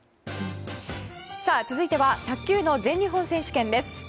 続いては卓球の全日本選手権です。